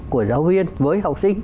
của giáo viên với học sinh